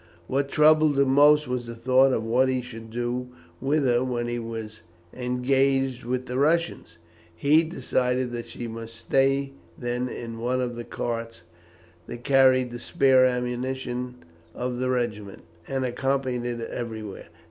What troubled him most was the thought of what he should do with her when he was engaged with the Russians. He decided that she must stay then in one of the carts that carried the spare ammunition of the regiment, and accompanied it everywhere.